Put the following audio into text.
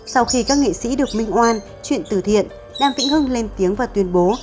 sau khi các nghị sĩ được minh oan chuyện từ thiện đàm vĩnh hưng lên tiếng và tuyên bố